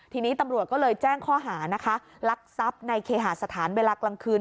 ทีนี้ตำรวจก็เลยแจ้งข้อหานะคะลักทรัพย์ในเคหาสถานเวลากลางคืน